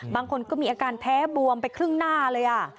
บางคนก็มีอาการแพ้บวมไปครึ่งหน้าเลย